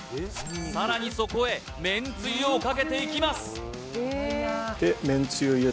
さらにそこへめんつゆをかけていきます